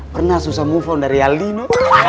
pernah susah move on dari alinu